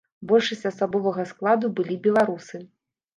Большасць асабовага складу былі беларусы.